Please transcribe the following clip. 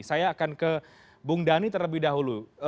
saya akan ke bung dhani terlebih dahulu